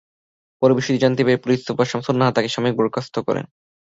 পরে বিষয়টি জানতে পেরে পুলিশ সুপার শামসুন্নাহার তাঁকে সাময়িক বরখাস্ত করেন।